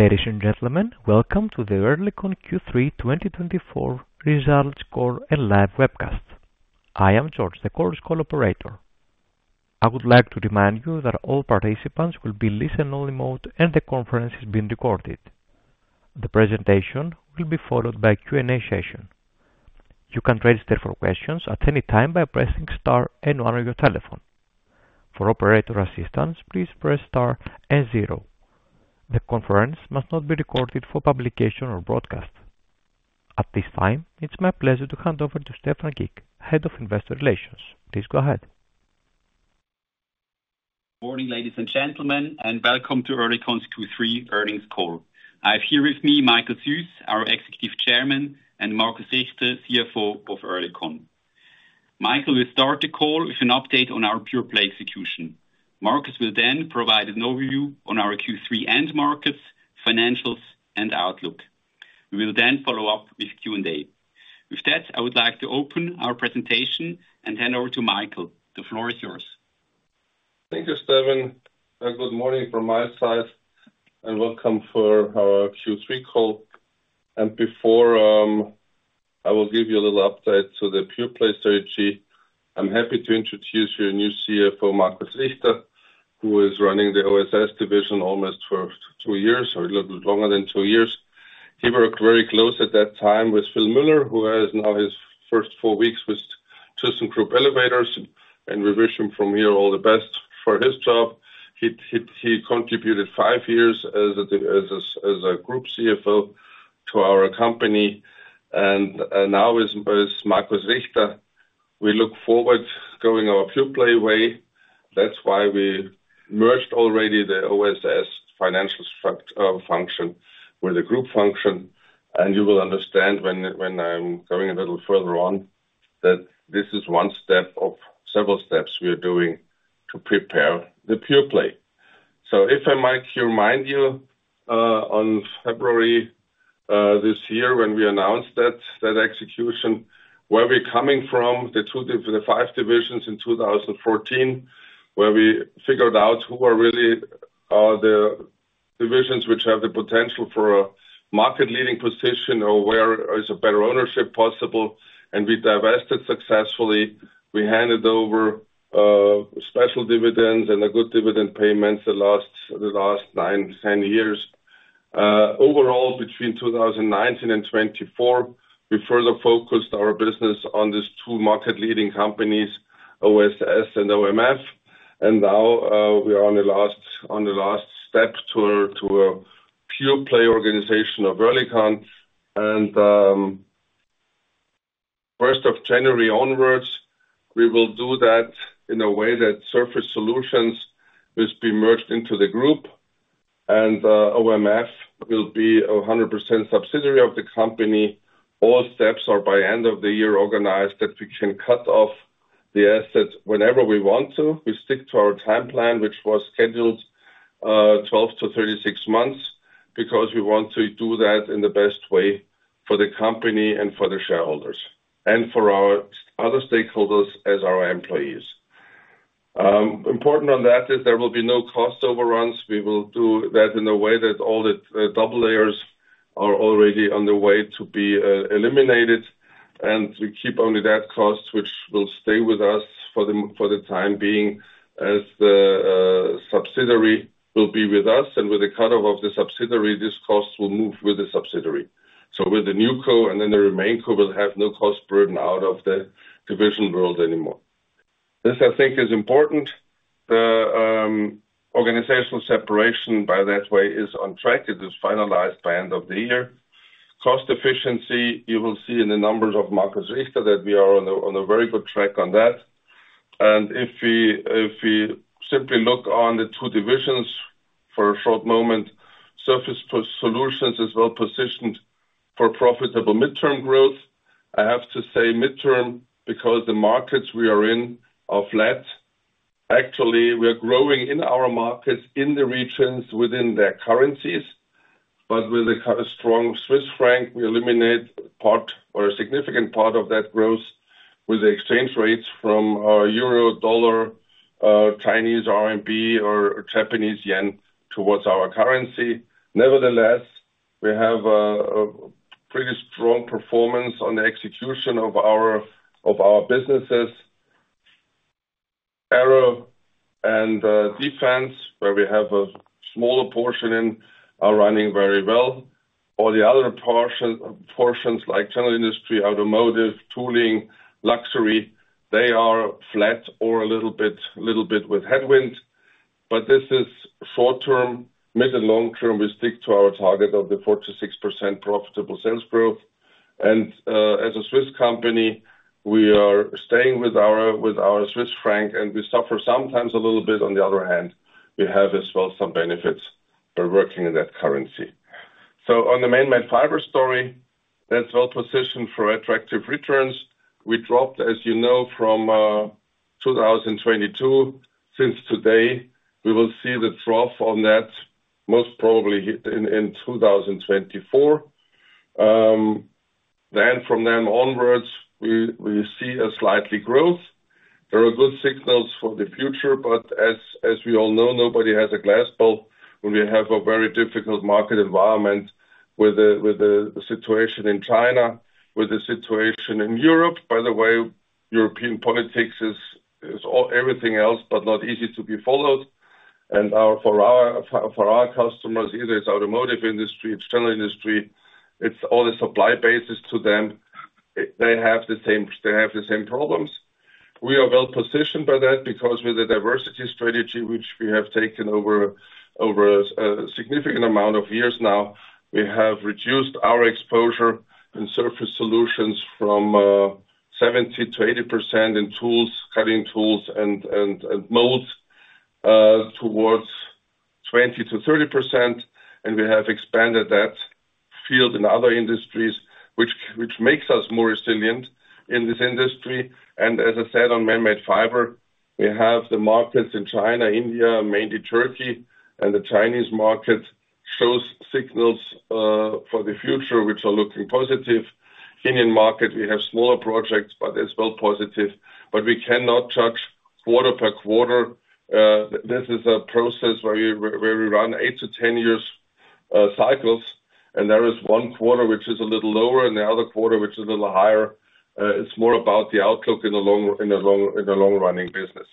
Ladies and gentlemen, welcome to the Oerlikon Q3 2024 Results Call and Live Webcast. I am George, the Chorus Call operator. I would like to remind you that all participants will be in listen-only mode, and the conference is being recorded. The presentation will be followed by a Q&A session. You can register for questions at any time by pressing * and 1 on your telephone. For operator assistance, please press * and 0. The conference must not be recorded for publication or broadcast. At this time, it's my pleasure to hand over to Stephan Gick, Head of Investor Relations. Please go ahead. Good morning, ladies and gentlemen, and welcome to Oerlikon's Q3 earnings call. I have here with me Michael Süss, our Executive Chairman, and Markus Richter, CFO of Oerlikon. Michael will start the call with an update on our pure play execution. Markus will then provide an overview on our Q3 end markets, financials, and outlook. We will then follow up with Q&A. With that, I would like to open our presentation and hand over to Michael. The floor is yours. Thank you, Stephan. Good morning from my side, and welcome for our Q3 call. And before I will give you a little update to the pure play strategy, I'm happy to introduce your new CFO, Markus Richter, who is running the OSS division almost for two years, or a little bit longer than two years. He worked very closely at that time with Phil Müller, who has now his first four weeks with ThyssenKrupp Elevator, and we wish him from here all the best for his job. He contributed five years as a group CFO to our company, and now is Markus Richter. We look forward to going our pure play way. That's why we merged already the OSS financial function with the group function. And you will understand when I'm going a little further on that this is one step of several steps we are doing to prepare the pure play. So if I might remind you, on February this year, when we announced that execution, where we're coming from, the five divisions in 2014, where we figured out who are really the divisions which have the potential for a market-leading position, or where is a better ownership possible. And we divested successfully. We handed over special dividends and good dividend payments the last nine, 10years. Overall, between 2019 and 2024, we further focused our business on these two market-leading companies, OSS and OMF. And now we are on the last step to a pure play organization of Oerlikon. First of January onwards, we will do that in a way that Surface Solutions will be merged into the group, and OMF will be 100% subsidiary of the company. All steps are by end of the year organized that we can cut off the asset whenever we want to. We stick to our time plan, which was scheduled 12-36 months, because we want to do that in the best way for the company and for the shareholders and for our other stakeholders as our employees. Important on that is there will be no cost overruns. We will do that in a way that all the double layers are already on the way to be eliminated, and we keep only that cost, which will stay with us for the time being as the subsidiary will be with us. And with the cut-off of the subsidiary, this cost will move with the subsidiary. So with the NewCo, and then the remaining RemainCo will have no cost burden out of the division world anymore. This, I think, is important. The organizational separation by that way is on track. It is finalized by end of the year. Cost efficiency, you will see in the numbers of Markus Richter that we are on a very good track on that. And if we simply look on the two divisions for a short moment, Surface Solutions is well positioned for profitable midterm growth. I have to say midterm because the markets we are in are flat. Actually, we are growing in our markets in the regions within their currencies. But with a strong Swiss franc, we eliminate a significant part of that growth with the exchange rates from euro, dollar, Chinese RMB, or Japanese yen towards our currency. Nevertheless, we have pretty strong performance on the execution of our businesses. Aero and defense, where we have a smaller portion in, are running very well. All the other portions, like general industry, automotive, tooling, luxury, they are flat or a little bit with headwinds. But this is short term. Mid and long term, we stick to our target of the 4%-6% profitable sales growth. And as a Swiss company, we are staying with our Swiss franc, and we suffer sometimes a little bit. On the other hand, we have as well some benefits by working in that currency. So on the manmade fiber story, that's well positioned for attractive returns. We dropped, as you know, from 2022. of today, we will see the drop in that, most probably in 2024. Then from then onwards, we see a slight growth. There are good signals for the future, but as we all know, nobody has a crystal ball when we have a very difficult market environment with the situation in China, with the situation in Europe. By the way, European politics is everything else but not easy to be followed, and for our customers, either it's automotive industry, it's general industry, it's all the supply chains to them, they have the same problems. We are well positioned by that because with the diversification strategy, which we have taken over a significant amount of years now, we have reduced our exposure in Surface Solutions from 70%-80% in tools, cutting tools and molds towards 20%-30%. We have expanded that field in other industries, which makes us more resilient in this industry. As I said, on manmade fiber, we have the markets in China, India, mainly Turkey, and the Chinese market shows signals for the future, which are looking positive. Indian market, we have smaller projects, but it's well positive. We cannot judge quarter- by -quarter. This is a process where we run eight- to 10-year cycles, and there is Q1 which is a little lower and the other quarter which is a little higher. It's more about the outlook in a long-running business.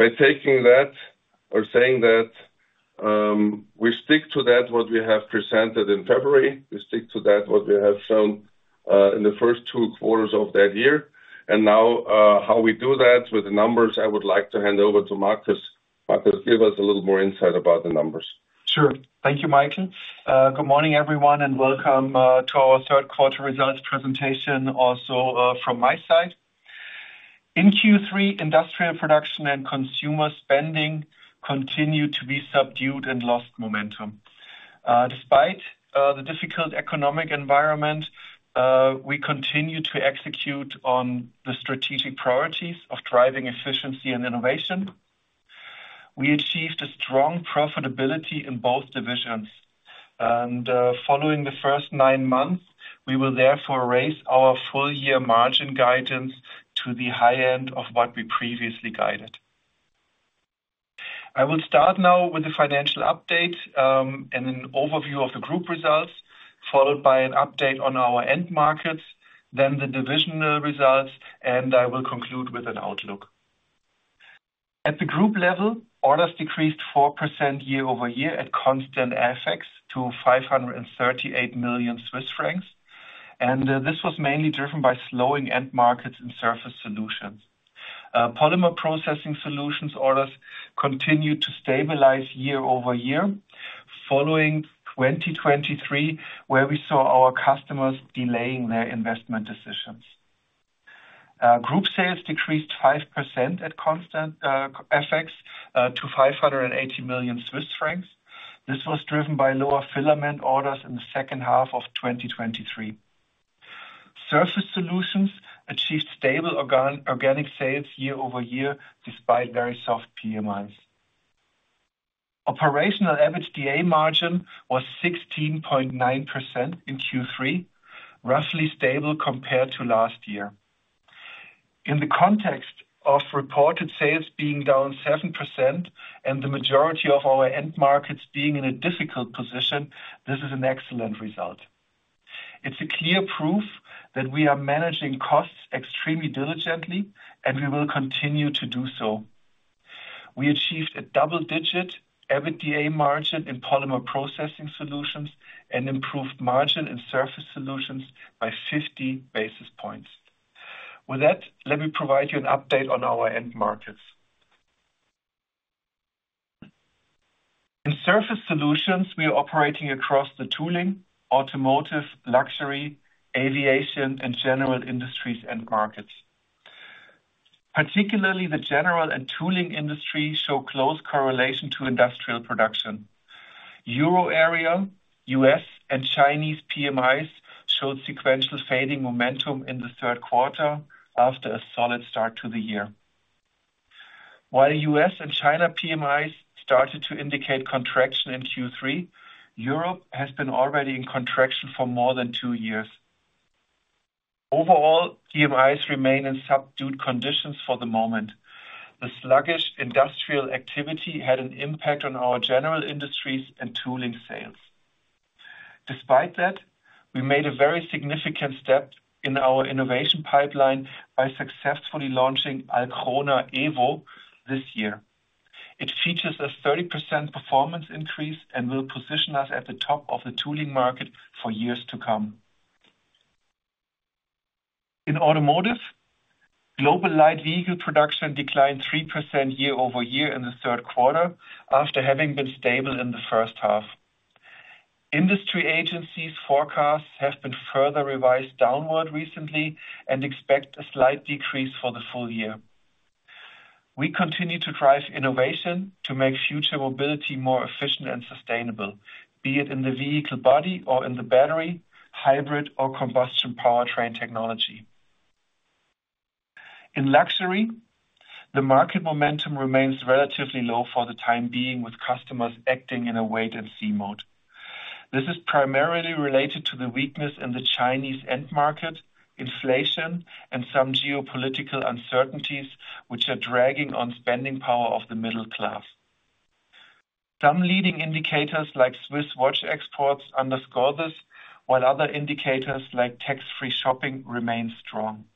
By taking that or saying that, we stick to that what we have presented in February. We stick to that what we have shown in the first Q2 of that year. Now, how we do that with the numbers, I would like to hand over to Markus. Markus, give us a little more insight about the numbers. Sure. Thank you, Michael. Good morning, everyone, and welcome to our Q3 results presentation also from my side. In Q3, industrial production and consumer spending continued to be subdued and lost momentum. Despite the difficult economic environment, we continue to execute on the strategic priorities of driving efficiency and innovation. We achieved a strong profitability in both divisions. And following the first nine months, we will therefore raise our full year margin guidance to the high end of what we previously guided. I will start now with the financial update and an overview of the group results, followed by an update on our end markets, then the divisional results, and I will conclude with an outlook. At the group level, orders decreased 4% year-over-year at constant effects to 538 million Swiss francs. And this was mainly driven by slowing end markets in Surface Solutions. Polymer Processing Solutions orders continued to stabilize year-over-year, following 2023, where we saw our customers delaying their investment decisions. Group sales decreased 5% at constant effects to 580 million Swiss francs. This was driven by lower filament orders in the second half of 2023. Surface Solutions achieved stable organic sales year-over-year despite very soft PMIs. Operational average EBITDA margin was 16.9% in Q3, roughly stable compared to last year. In the context of reported sales being down 7% and the majority of our end markets being in a difficult position, this is an excellent result. It's a clear proof that we are managing costs extremely diligently, and we will continue to do so. We achieved a double-digit EBITDA margin in Polymer Processing Solutions and improved margin in Surface Solutions by 50 basis points. With that, let me provide you an update on our end markets. In Surface Solutions, we are operating across the tooling, automotive, luxury, aviation, and general industries end markets. Particularly, the general and tooling industry show close correlation to industrial production. Euro area, US, and Chinese PMIs showed sequential fading momentum in the Q3 after a solid start to the year. While US and China PMIs started to indicate contraction in Q3, Europe has been already in contraction for more than two years. Overall, PMIs remain in subdued conditions for the moment. The sluggish industrial activity had an impact on our general industries and tooling sales. Despite that, we made a very significant step in our innovation pipeline by successfully launching Alcrona Evo this year. It features a 30% performance increase and will position us at the top of the tooling market for years to come. In automotive, global light vehicle production declined 3% year-over-year in the Q3 after having been stable in the first half. Industry agencies' forecasts have been further revised downward recently and expect a slight decrease for the full year. We continue to drive innovation to make future mobility more efficient and sustainable, be it in the vehicle body or in the battery, hybrid, or combustion powertrain technology. In luxury, the market momentum remains relatively low for the time being, with customers acting in a wait-and-see mode. This is primarily related to the weakness in the Chinese end market, inflation, and some geopolitical uncertainties, which are dragging on spending power of the middle class. Some leading indicators like Swiss watch exports underscore this, while other indicators like tax-free shopping remain strong.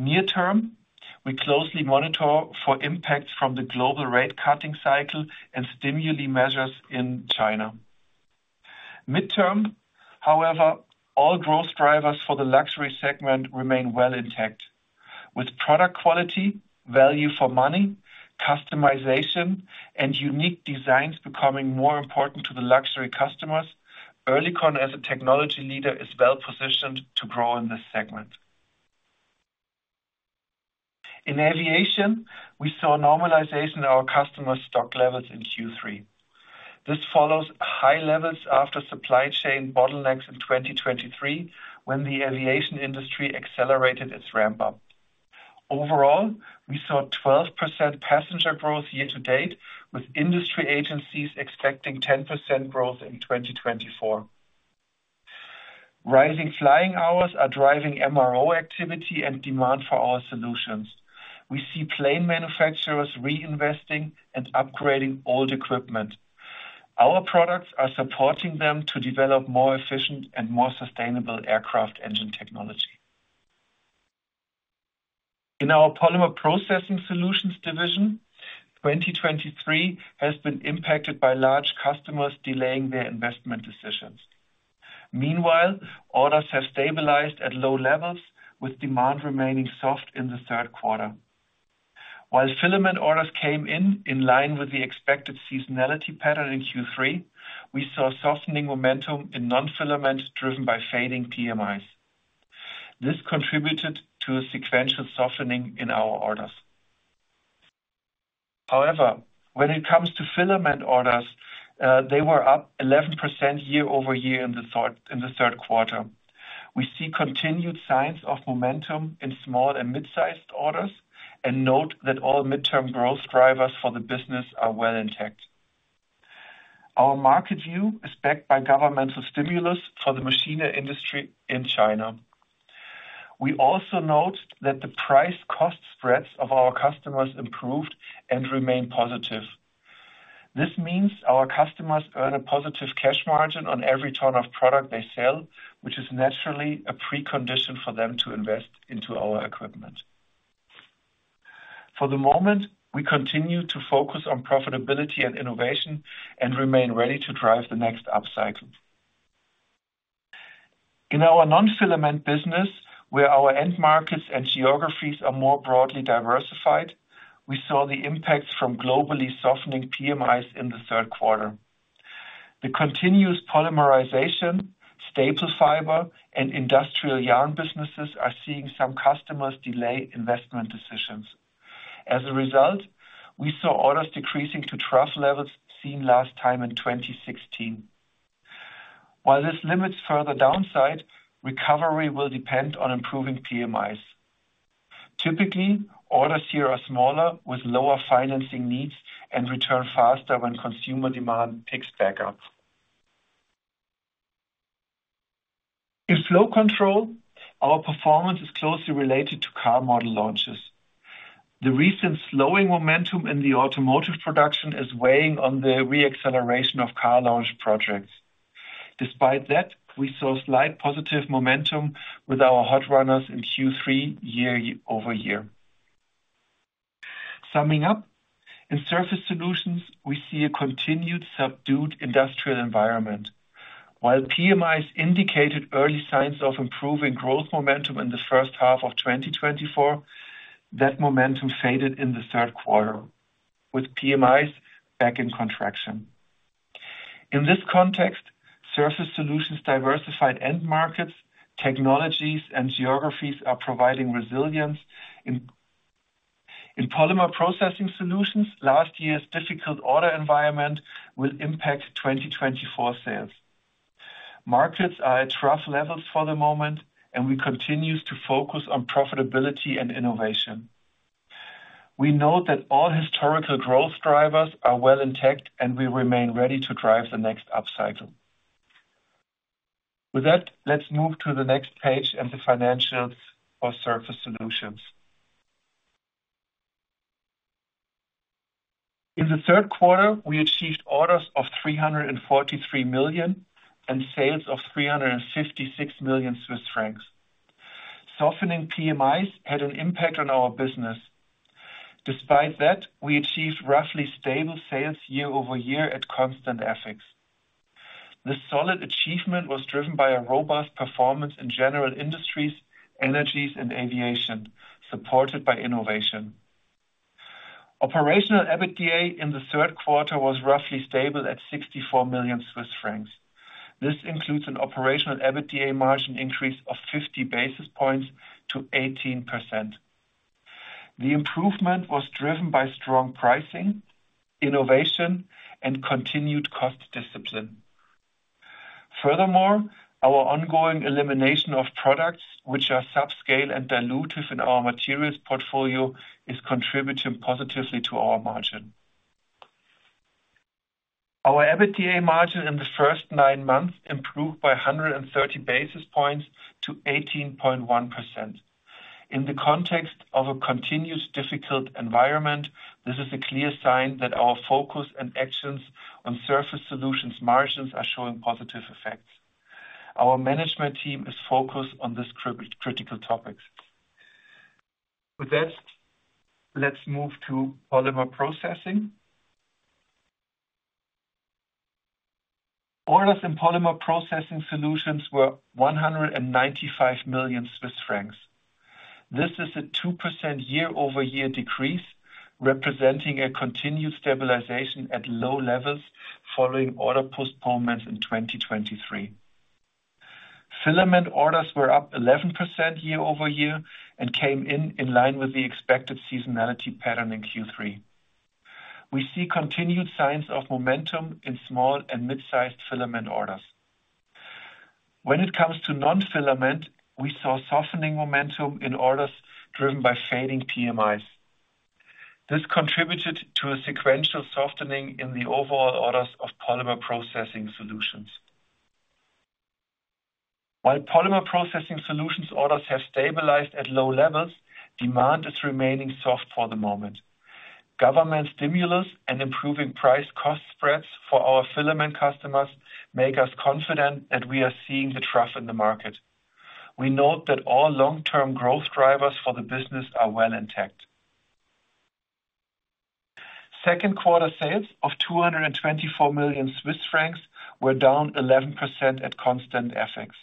Near term, we closely monitor for impacts from the global rate-cutting cycle and stimuli measures in China. term, however, all growth drivers for the luxury segment remain well intact. With product quality, value for money, customization, and unique designs becoming more important to the luxury customers, Oerlikon as a technology leader is well positioned to grow in this segment. In aviation, we saw normalization in our customers' stock levels in Q3. This follows high levels after supply chain bottlenecks in 2023, when the aviation industry accelerated its ramp-up. Overall, we saw 12% passenger growth year to date, with industry agencies expecting 10% growth in 2024. Rising flying hours are driving MRO activity and demand for our solutions. We see plane manufacturers reinvesting and upgrading old equipment. Our products are supporting them to develop more efficient and more sustainable aircraft engine technology. In our Polymer Processing Solutions division, 2023 has been impacted by large customers delaying their investment decisions. Meanwhile, orders have stabilized at low levels, with demand remaining soft in the Q3. While filament orders came in in line with the expected seasonality pattern in Q3, we saw softening momentum in non-filament driven by fading PMIs. This contributed to a sequential softening in our orders. However, when it comes to filament orders, they were up 11% year- over-year in the Q3. We see continued signs of momentum in small and mid-sized orders and note that all midterm growth drivers for the business are well intact. Our market view is backed by governmental stimulus for the machinery industry in China. We also note that the price-cost spreads of our customers improved and remain positive. This means our customers earn a positive cash margin on every ton of product they sell, which is naturally a precondition for them to invest into our equipment. For the moment, we continue to focus on profitability and innovation and remain ready to drive the next upcycle. In our non-filament business, where our end markets and geographies are more broadly diversified, we saw the impacts from globally softening PMIs in the Q3. The continuous polymerization, staple fiber, and industrial yarn businesses are seeing some customers delay investment decisions. As a result, we saw orders decreasing to trough levels seen last time in 2016. While this limits further downside, recovery will depend on improving PMIs. Typically, orders here are smaller, with lower financing needs and return faster when consumer demand picks back up. In flow control, our performance is closely related to car model launches. The recent slowing momentum in the automotive production is weighing on the reacceleration of car launch projects. Despite that, we saw slight positive momentum with our hot runners in Q3 year-over-year. Summing up, in Surface Solutions, we see a continued subdued industrial environment. While PMIs indicated early signs of improving growth momentum in the first half of 2024, that momentum faded in the Q3, with PMIs back in contraction. In this context, Surface Solutions' diversified end markets, technologies, and geographies are providing resilience. In Polymer Processing Solutions, last year's difficult order environment will impact 2024 sales. Markets are at trough levels for the moment, and we continue to focus on profitability and innovation. We note that all historical growth drivers are well intact, and we remain ready to drive the next upcycle. With that, let's move to the next page and the financials for Surface Solutions. In the Q3, we achieved orders of 343 million and sales of 356 million Swiss francs. Softening PMIs had an impact on our business. Despite that, we achieved roughly stable sales year- over-year at constant effects. This solid achievement was driven by a robust performance in general industries, energy, and aviation, supported by innovation. Operational EBITDA in the Q3 was roughly stable at 64 million Swiss francs. This includes an operational EBITDA margin increase of 50 basis points to 18%. The improvement was driven by strong pricing, innovation, and continued cost discipline. Furthermore, our ongoing elimination of products, which are subscale and dilutive in our materials portfolio, is contributing positively to our margin. Our EBITDA margin in the first nine months improved by 130 basis points to 18.1%. In the context of a continued difficult environment, this is a clear sign that our focus and actions on Surface Solutions' margins are showing positive effects. Our management team is focused on these critical topics. With that, let's move to polymer processing. Orders in Polymer Processing Solutions were 195 million Swiss francs. This is a 2% year-over-year decrease, representing a continued stabilization at low levels following order postponements in 2023. Filament orders were up 11% year-over-year and came in in line with the expected seasonality pattern in Q3. We see continued signs of momentum in small and mid-sized filament orders. When it comes to non-filament, we saw softening momentum in orders driven by fading PMIs. This contributed to a sequential softening in the overall orders of Polymer Processing Solutions. While Polymer Processing Solutions orders have stabilized at low levels, demand is remaining soft for the moment. Government stimulus and improving price-cost spreads for our filament customers make us confident that we are seeing the trough in the market. We note that all long-term growth drivers for the business are well intact.Q2 sales of 224 million Swiss francs were down 11% at constant effects.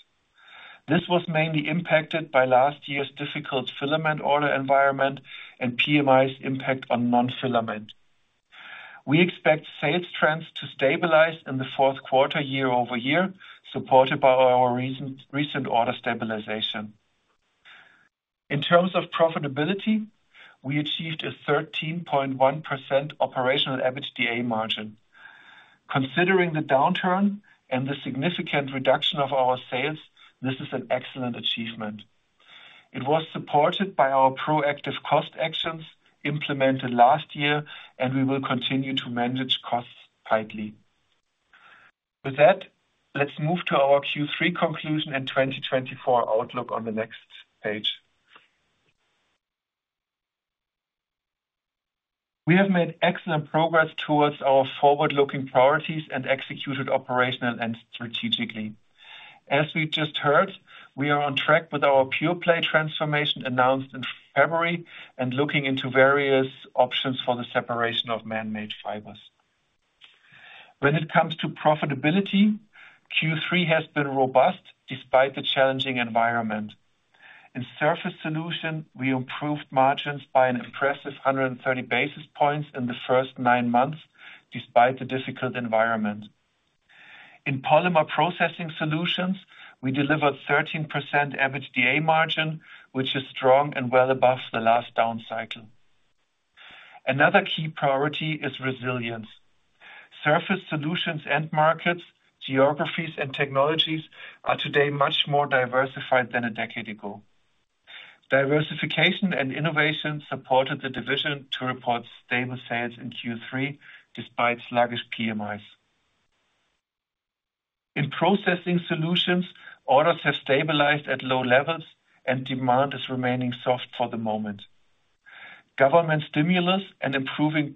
This was mainly impacted by last year's difficult filament order environment and PMIs' impact on non-filament. We expect sales trends to stabilize in the Q4 year-over-year, supported by our recent order stabilization. In terms of profitability, we achieved a 13.1% operational EBITDA margin. Considering the downturn and the significant reduction of our sales, this is an excellent achievement. It was supported by our proactive cost actions implemented last year, and we will continue to manage costs tightly. With that, let's move to our Q3 conclusion and 2024 outlook on the next page. We have made excellent progress towards our forward-looking priorities and executed operationally and strategically. As we just heard, we are on track with our pure play transformation announced in February and looking into various options for the separation of man-made fibers. When it comes to profitability, Q3 has been robust despite the challenging environment. In Surface Solutions, we improved margins by an impressive 130 basis points in the first nine months despite the difficult environment. In Polymer Processing Solutions, we delivered 13% EBITDA margin, which is strong and well above the last downcycle. Another key priority is resilience. Surface Solutions' end markets, geographies, and technologies are today much more diversified than a decade ago. Diversification and innovation supported the division to report stable sales in Q3 despite sluggish PMIs. In processing solutions, orders have stabilized at low levels, and demand is remaining soft for the moment. Government stimulus and improving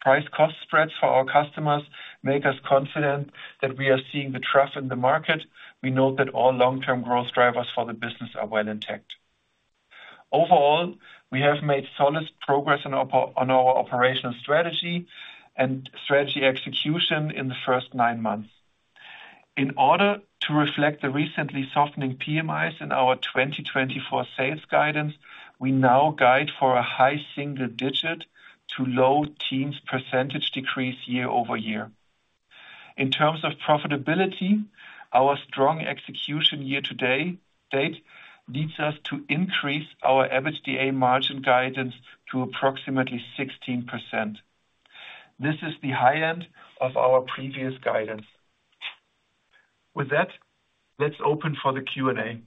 price-cost spreads for our customers make us confident that we are seeing the trough in the market. We note that all long-term growth drivers for the business are well intact. Overall, we have made solid progress on our operational strategy and strategy execution in the first nine months. In order to reflect the recently softening PMIs in our 2024 sales guidance, we now guide for a high single-digit to low teens percentage decrease year-over-year. In terms of profitability, our strong execution year to date leads us to increase our EBITDA margin guidance to approximately 16%. This is the high end of our previous guidance. With that, let's open for the Q&A.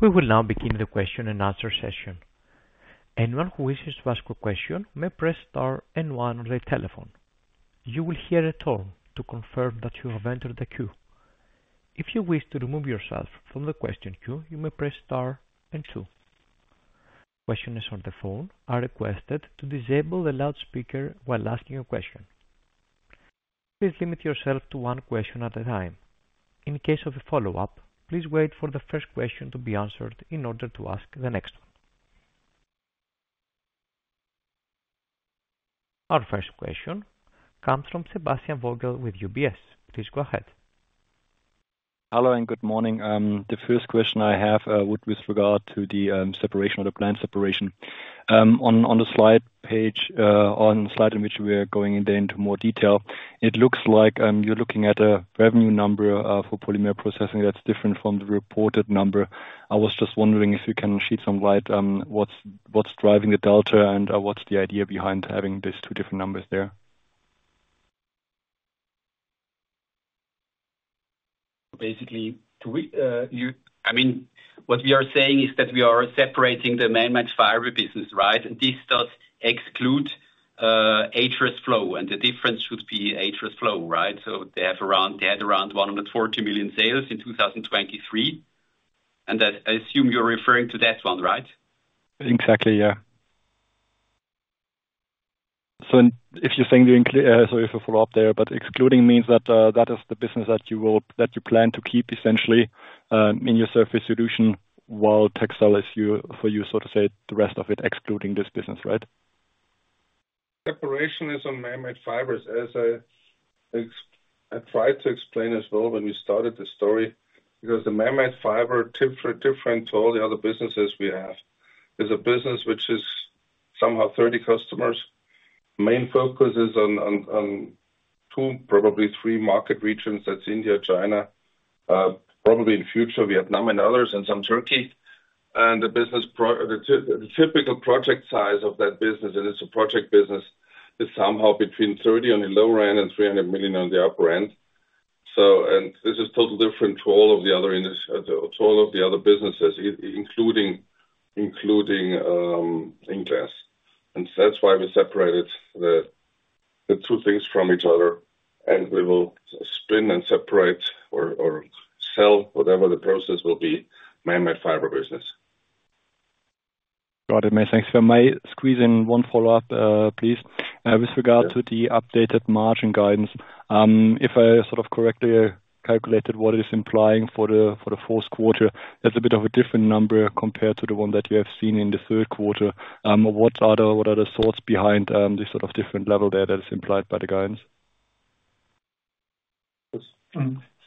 We will now begin the question-and-answer session. Anyone who wishes to ask a question may press star and one on the telephone. You will hear a tone to confirm that you have entered the queue. If you wish to remove yourself from the question queue, you may press star and two. Questioners on the phone are requested to disable the loudspeaker while asking a question. Please limit yourself to one question at a time. In case of a follow-up, please wait for the first question to be answered in order to ask the next one. Our first question comes from Sebastian Vogel with UBS. Please go ahead. Hello and good morning. The first question I have would be with regard to the separation or the planned separation. On the slide page, on the slide in which we are going into more detail, it looks like you're looking at a revenue number for polymer processing that's different from the reported number. I was just wondering if you can shed some light on what's driving the delta and what's the idea behind having these two different numbers there. Basically, I mean, what we are saying is that we are separating the man-made fiber business, right? This does exclude HRSflow, and the difference should be HRSflow, right? So they had around 140 million sales in 2023. I assume you're referring to that one, right? Exactly, yeah. So if you're saying the, sorry for the follow-up there, but excluding means that that is the business that you plan to keep essentially in your Surface Solutions while textile is for you, so to say, the rest of it excluding this business, right? Separation is on man-made fibers, as I tried to explain as well when we started the story, because the man-made fiber, different to all the other businesses we have, is a business which is somehow 30 customers. Main focus is on two, probably three market regions: that's India, China, probably in future Vietnam and others, and some Turkey. The typical project size of that business, and it's a project business, is somehow between 30 million on the lower end and 300 million on the upper end. And this is totally different to all of the other businesses, including INglass. And that's why we separated the two things from each other. And we will spin and separate or sell whatever the process will be, man-made fiber business. Got it. Thanks. If I may squeeze in one follow-up, please, with regard to the updated margin guidance. If I sort of correctly calculated what it is implying for the Q4, that's a bit of a different number compared to the one that you have seen in the Q3. What are the thoughts behind this sort of different level there that is implied by the guidance?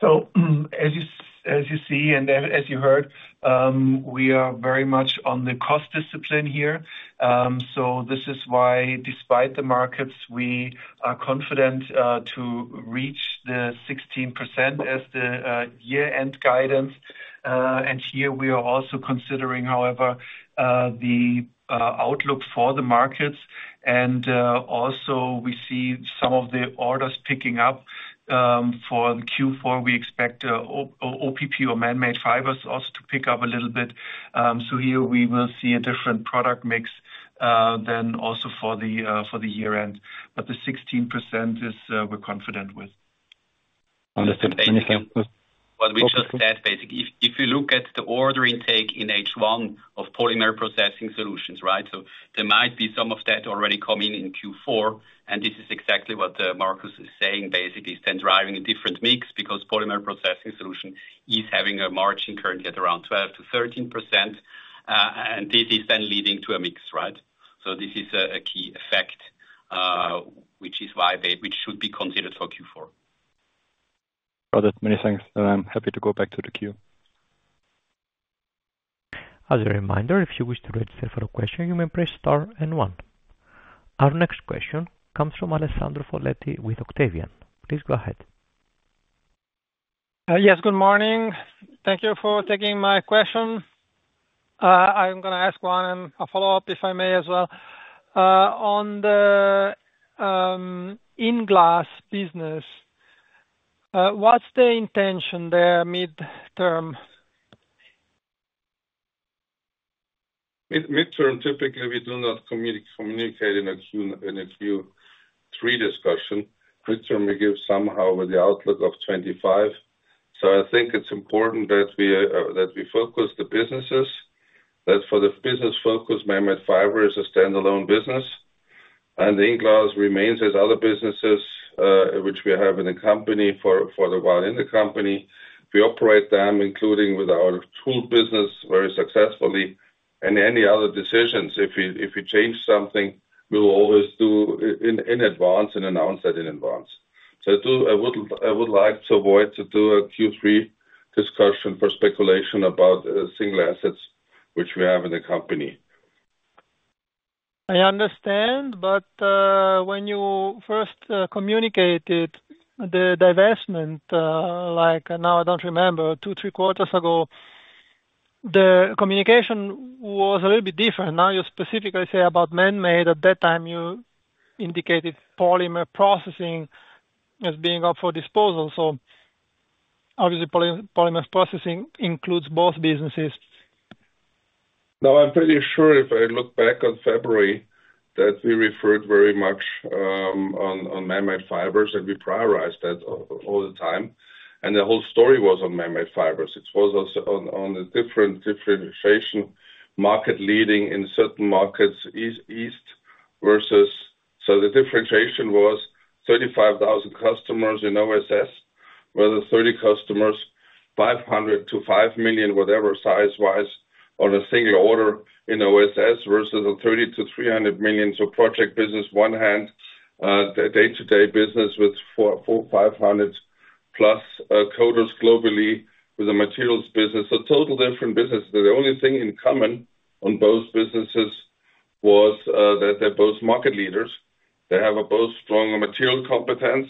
So as you see and as you heard, we are very much on the cost discipline here. So this is why, despite the markets, we are confident to reach the 16% as the year end guidance. And here, we are also considering, however, the outlook for the markets. And also, we see some of the orders picking up. For Q4, we expect OPP or man-made fibers also to pick up a little bit. So here, we will see a different product mix than also for the year end. But the 16% is we're confident with. Understood. Thank you. What we just said, basically, if you look at the order intake in H1 of Polymer Processing Solutions, right, so there might be some of that already coming in Q4. This is exactly what Markus is saying, basically, is then driving a different mix because polymer processing solution is having a margin currently at around 12%-13%. This is then leading to a mix, right? So this is a key effect, which is why they should be considered for Q4. Got it. Many thanks. I'm happy to go back to the queue. As a reminder, if you wish to register for a question, you may press star and one. Our next question comes from Alessandro Foletti with Octavian. Please go ahead. Yes, good morning. Thank you for taking my question. I'm going to ask one and a follow-up, if I may, as well. On the INglass business, what's the intention there mid-term? Mid-term, typically, we do not communicate in a Q3 discussion. Mid-term, we give somehow the outlook of 2025. So I think it's important that we focus the businesses, that for the business focus, man-made fiber is a standalone business. And the INglass remains as other businesses, which we have in the company for the while in the company. We operate them, including with our tool business, very successfully. And any other decisions, if we change something, we will always do in advance and announce that in advance. So I would like to avoid to do a Q3 discussion for speculation about single assets, which we have in the company. I understand, but when you first communicated the divestment, like now I don't remember, Q2,3 ago, the communication was a little bit different. Now you specifically say about man-made. At that time, you indicated polymer processing as being up for disposal. So obviously, polymer processing includes both businesses. No, I'm pretty sure if I look back on February that we referred very much on manmade fibers, and we prioritized that all the time, and the whole story was on manmade fibers. It was on a different differentiation, market-leading in certain markets, east versus so the differentiation was 35,000 customers in OSS, with 30 customers, 500-5 million, whatever size-wise, on a single order in OSS versus a 30-300 million, so project business, on one hand, day-to-day business with 500-plus coaters globally with a materials business, so totally different businesses. The only thing in common on both businesses was that they're both market leaders. They have both strong material competence,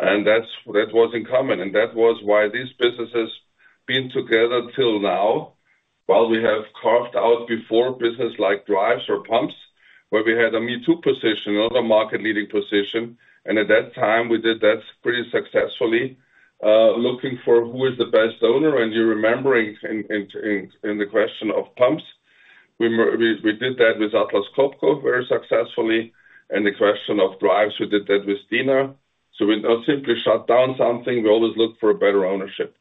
and that was in common. And that was why these businesses have been together till now, while we have carved out before business like drives or pumps, where we had a me-too position, not a market-leading position. And at that time, we did that pretty successfully, looking for who is the best owner. And you're remembering in the question of pumps, we did that with Atlas Copco very successfully. And the question of drives, we did that with Dana. So we not simply shut down something. We always look for a better ownership.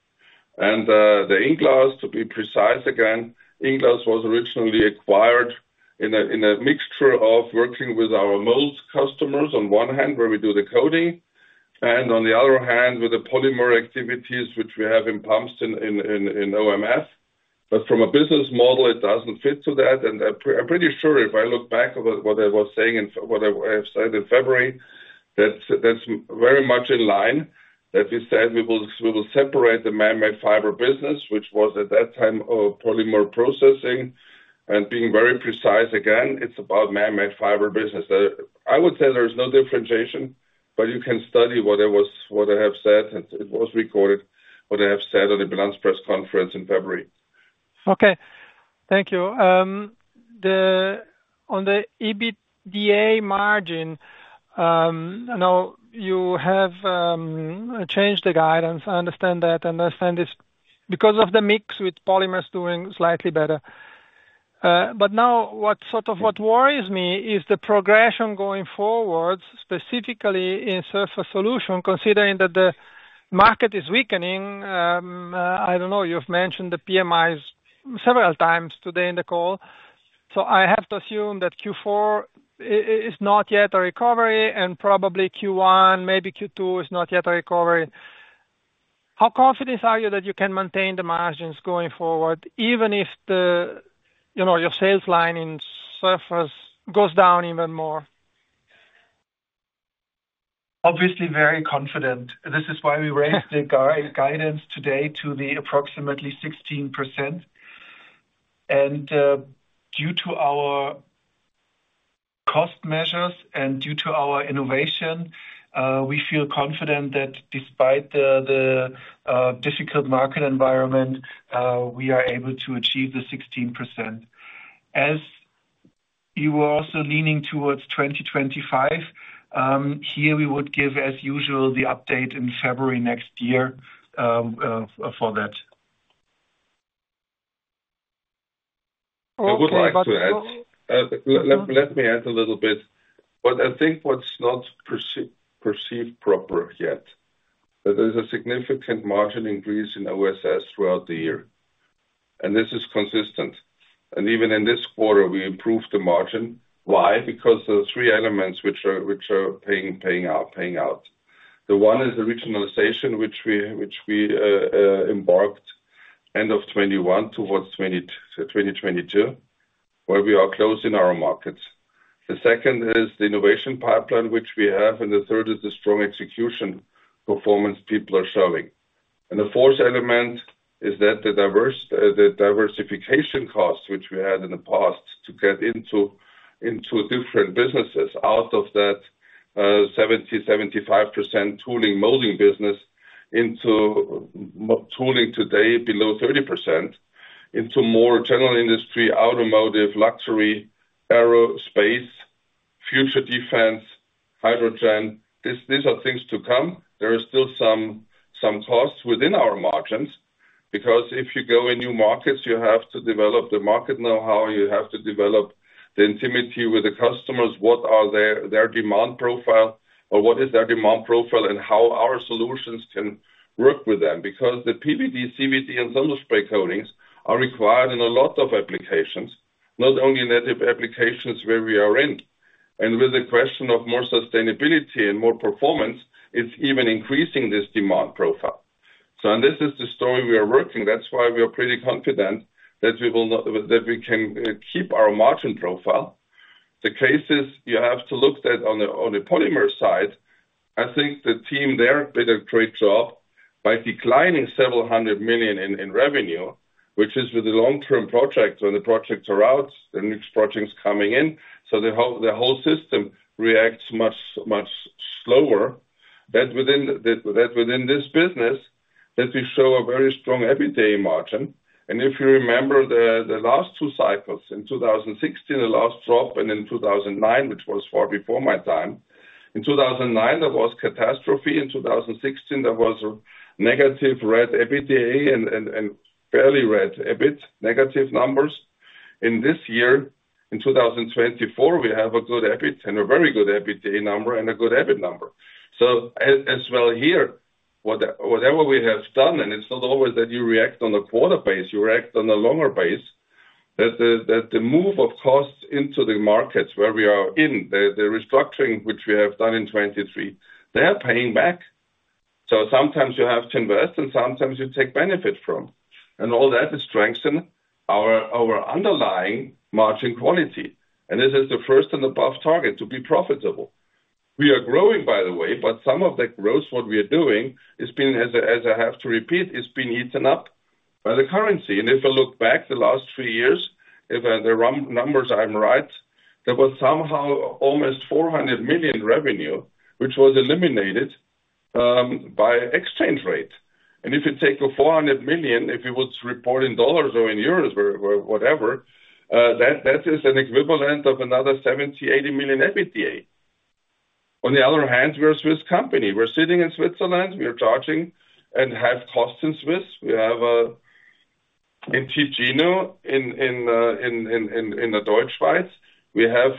And the INglass, to be precise again, INglass was originally acquired in a mixture of working with our molds customers on one hand, where we do the coating, and on the other hand, with the polymer activities, which we have in pumps in OMF. But from a business model, it doesn't fit to that. I'm pretty sure if I look back at what I was saying and what I have said in February, that's very much in line that we said we will separate the man-made fiber business, which was at that time polymer processing. Being very precise again, it's about man-made fiber business. I would say there is no differentiation, but you can study what I have said, and it was recorded what I have said on the Bilanz Press conference in February. Okay. Thank you. On the EBITDA margin, I know you have changed the guidance. I understand that. I understand this because of the mix with polymers doing slightly better. Now, sort of what worries me is the progression going forward, specifically in Surface Solutions, considering that the market is weakening. I don't know. You've mentioned the PMIs several times today in the call. So I have to assume that Q4 is not yet a recovery, and probably Q1, maybe Q2 is not yet a recovery. How confident are you that you can maintain the margins going forward, even if your sales line in Surface goes down even more? Obviously, very confident. This is why we raised the guidance today to the approximately 16%. And due to our cost measures and due to our innovation, we feel confident that despite the difficult market environment, we are able to achieve the 16%. As you were also leaning towards 2025, here we would give, as usual, the update in February next year for that. I would like to add, let me add a little bit. But I think what's not perceived proper yet is a significant margin increase in OSS throughout the year. And this is consistent. Even in this quarter, we improved the margin. Why? Because there are three elements which are paying out. The one is the regionalization, which we embarked end of 2021 towards 2022, where we are closing our markets. The second is the innovation pipeline which we have, and the third is the strong execution performance people are showing. And the fourth element is that the diversification cost, which we had in the past to get into different businesses, out of that 70%-75% tooling, molding business, into tooling today below 30%, into more general industry, automotive, luxury, aerospace, future defense, hydrogen. These are things to come. There are still some costs within our margins because if you go in new markets, you have to develop the market know-how. You have to develop the intimacy with the customers. What are their demand profile, or what is their demand profile, and how our solutions can work with them? Because the PVD, CVD, and thermal spray coatings are required in a lot of applications, not only native applications where we are in, and with the question of more sustainability and more performance, it's even increasing this demand profile, so this is the story we are working. That's why we are pretty confident that we can keep our margin profile. The case is you have to look at on the polymer side. I think the team there did a great job by delivering several hundred million in revenue, which is with the long-term projects. When the projects are out, the next project's coming in, so the whole system reacts much slower, but within this business, that we show a very strong everyday margin. And if you remember the last two cycles in 2016, the last drop, and in 2009, which was far before my time. In 2009, there was catastrophe. In 2016, there was a negative red EBITDA and fairly red EBIT negative numbers. In this year, in 2024, we have a good EBIT and a very good EBITDA number and a good EBIT number. So as well here, whatever we have done, and it's not always that you react on a quarter base. You react on a longer base. The move of costs into the markets where we are in, the restructuring which we have done in 2023, they are paying back. So sometimes you have to invest, and sometimes you take benefit from. And all that is strengthening our underlying margin quality. And this is the first and above target to be profitable. We are growing, by the way, but some of the growth, what we are doing, as I have to repeat, is being eaten up by the currency. And if I look back the last three years, if the numbers are right, there was somehow almost 400 million revenue, which was eliminated by exchange rate. And if you take 400 million, if you would report in dollars or in euros or whatever, that is an equivalent of another 70-80 million EBITDA. On the other hand, we are a Swiss company. We're sitting in Switzerland. We are charging and have costs in Swiss. We have in Ticino, in the Deutschschweiz, we have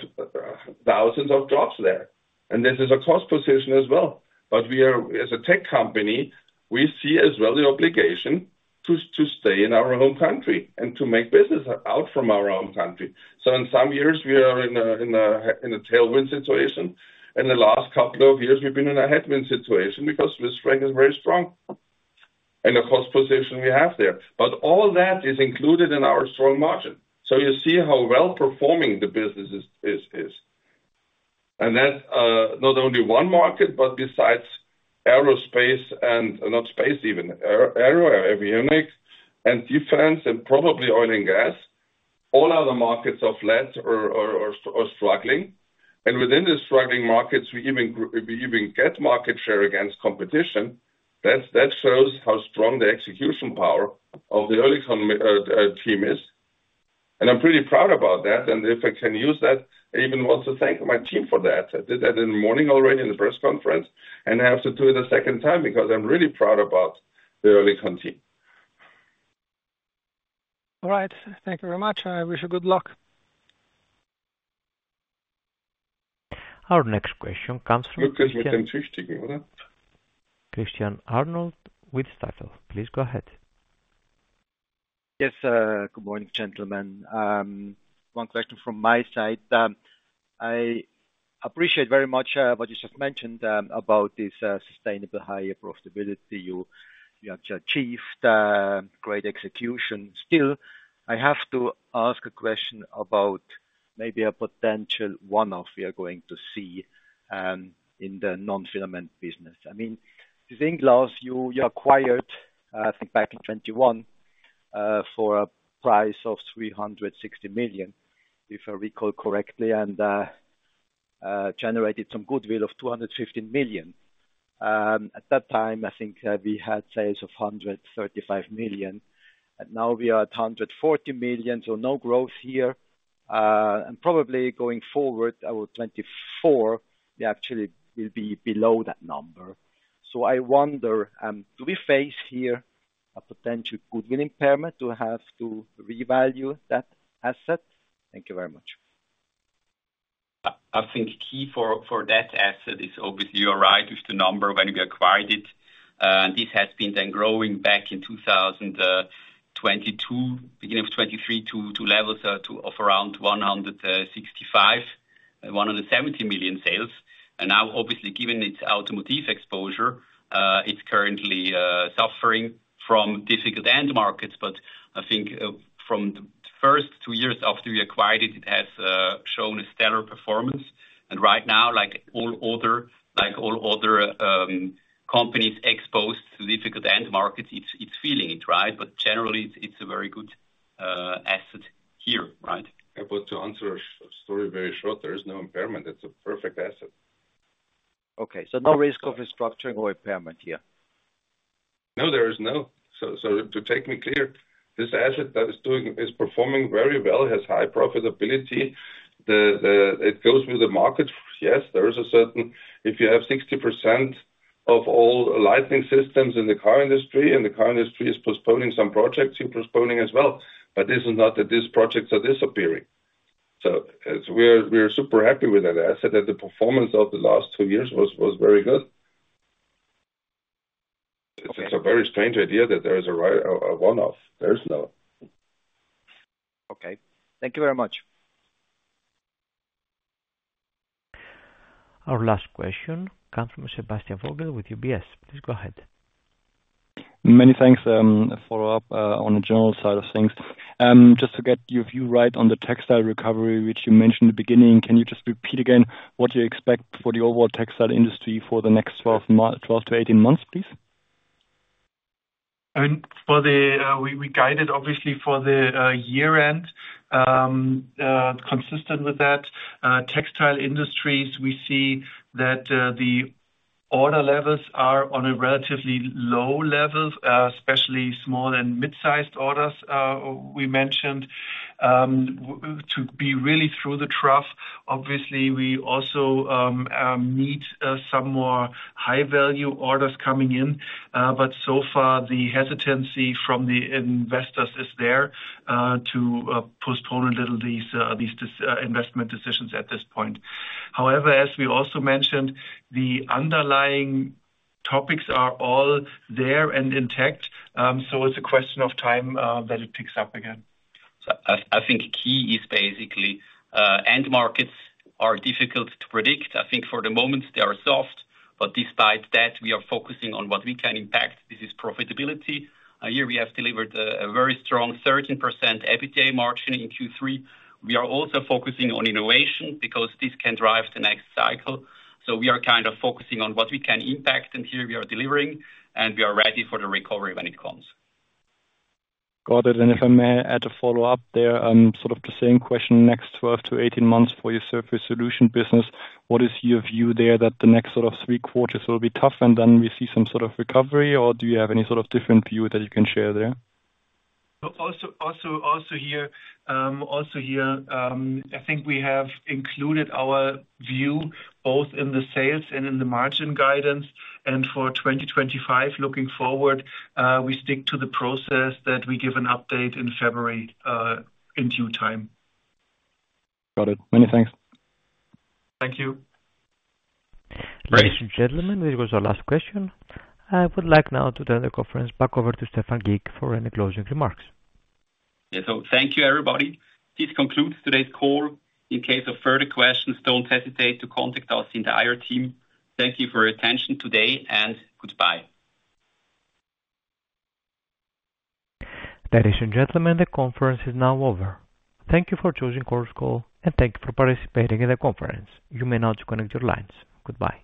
thousands of jobs there. And this is a cost position as well. But as a tech company, we see as well the obligation to stay in our home country and to make business out from our home country. So in some years, we are in a tailwind situation. And the last couple of years, we've been in a headwind situation because Swiss franc is very strong and the cost position we have there. But all that is included in our strong margin. So you see how well-performing the business is. And that's not only one market, but besides aerospace and not space even, aerospace and defense and probably oil and gas, all other markets are flat or struggling. And within these struggling markets, we even get market share against competition. That shows how strong the execution power of the Oerlikon team is. And I'm pretty proud about that. And if I can use that, I even want to thank my team for that. I did that in the morning already in the press conference. I have to do it a second time because I'm really proud about the Oerlikon team. All right. Thank you very much. I wish you good luck. Our next question comes from Christian. Christian Arnold with Stifel. Please go ahead. Yes. Good morning, gentlemen. One question from my side. I appreciate very much what you just mentioned about this sustainable high profitability you have achieved, great execution. Still, I have to ask a question about maybe a potential one-off we are going to see in the non-filament business. I mean, with INglass, you acquired, I think back in 2021, for a price of 360 million, if I recall correctly, and generated some goodwill of 250 million. At that time, I think we had sales of 135 million. And now we are at 140 million, so no growth here. And probably going forward, in 2024, we actually will be below that number. So I wonder, do we face here a potential goodwill impairment to have to revalue that asset? Thank you very much. I think the key for that asset is obviously you're right with the number when we acquired it. This has then been growing back in 2022, beginning of 2023, to levels of around 165-170 million sales. And now, obviously, given its automotive exposure, it's currently suffering from difficult end markets. But I think from the first two years after we acquired it, it has shown a stellar performance. And right now, like all other companies exposed to difficult end markets, it's feeling it, right? But generally, it's a very good asset here, right? I want to answer that very shortly. There is no impairment. It's a perfect asset. Okay. So no risk of restructuring or impairment here? No, there is no. So to make it clear, this asset that is performing very well has high profitability. It goes with the market. Yes, there is a certain if you have 60% of all lighting systems in the car industry, and the car industry is postponing some projects, you're postponing as well. But this is not that these projects are disappearing. So we are super happy with that asset that the performance of the last two years was very good. It's a very strange idea that there is a one-off. There is no. Okay. Thank you very much. Our last question comes from Sebastian Vogel with UBS. Please go ahead. Many thanks. Follow-up on the general side of things. Just to get your view right on the textile recovery, which you mentioned in the beginning, can you just repeat again what you expect for the overall textile industry for the next 12 to 18 months, please? I mean, we guided obviously for the year end, consistent with that. Textile industries, we see that the order levels are on a relatively low level, especially small and mid-sized orders we mentioned. To be really through the trough, obviously, we also need some more high-value orders coming in. But so far, the hesitancy from the investors is there to postpone a little these investment decisions at this point. However, as we also mentioned, the underlying topics are all there and intact. So it's a question of time that it picks up again. I think key is basically end markets are difficult to predict. I think for the moment, they are soft. But despite that, we are focusing on what we can impact. This is profitability. Here, we have delivered a very strong 13% EBITDA margin in Q3. We are also focusing on innovation because this can drive the next cycle. So we are kind of focusing on what we can impact, and here we are delivering, and we are ready for the recovery when it comes. Got it. And if I may add a follow-up there, sort of the same question next 12 to 18 months for your Surface Solutions business, what is your view there that the next sort of Q3 will be tough, and then we see some sort of recovery, or do you have any sort of different view that you can share there? Also here, I think we have included our view both in the sales and in the margin guidance. For 2025, looking forward, we stick to the process that we give an update in February in due time. Got it. Many thanks. Thank you. Ladies and gentlemen, this was our last question. I would like now to turn the conference back over to Stephan Gick for any closing remarks. Thank you, everybody. This concludes today's call. In case of further questions, don't hesitate to contact us in the IR team. Thank you for your attention today, and goodbye. Ladies and gentlemen, the conference is now over. Thank you for choosing Chorus Call, and thank you for participating in the conference. You may now disconnect your lines. Goodbye.